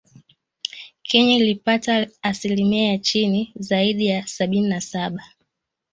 Kenya ilipata asilimia ya chini zaidi ya sabini na saba.